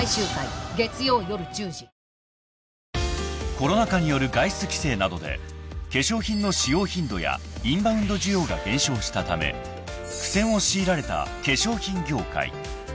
［コロナ禍による外出規制などで化粧品の使用頻度やインバウンド需要が減少したため苦戦を強いられた化粧品業界］